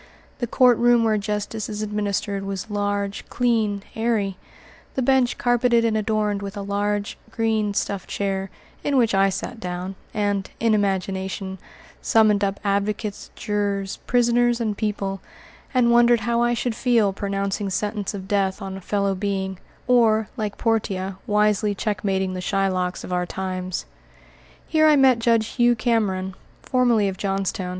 The courtroom where justice is administered was large, clean, airy the bench carpeted and adorned with a large, green, stuffed chair, in which I sat down, and, in imagination, summoned up advocates, jurors, prisoners, and people, and wondered how I should feel pronouncing sentence of death on a fellow being, or, like Portia, wisely checkmating the Shylocks of our times. Here I met Judge Hugh Cameron, formerly of Johnstown.